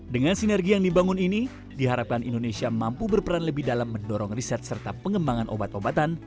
dengan sinergi yang dibangun ini diharapkan indonesia mampu berperan lebih dalam mendorong riset serta pengembangan obat obatan